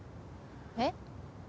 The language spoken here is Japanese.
えっ？